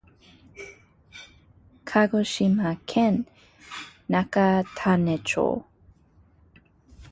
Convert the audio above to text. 鹿児島県中種子町